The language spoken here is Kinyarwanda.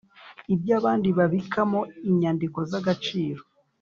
Iby’abandi babikamo inyandiko z’agaciro zayo